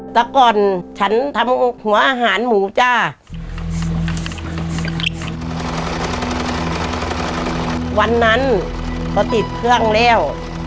แต่ก่อนฉันทำหัวอาหารหมูจ้าวันนั้นก็ติดเครื่องแล้ว